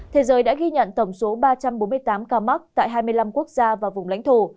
thế giới đã ghi nhận tổng số ba trăm bốn mươi tám ca mắc tại hai mươi năm quốc gia và vùng lãnh thổ